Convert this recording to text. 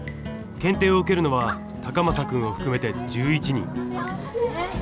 検定を受けるのは崇真くんを含めて１１人。